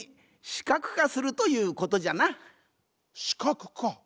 視覚化！